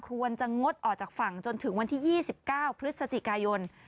ควรจะงดออกจากฝั่งจนถึงวันที่๒๙พฤศจิกายน